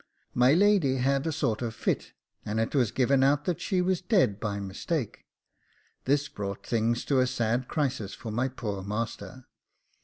My lady had a sort of fit, and it was given out that she was dead, by mistake: this brought things to a sad crisis for my poor master.